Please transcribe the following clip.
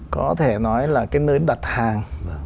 có thể nói là cái nơi đặt hàng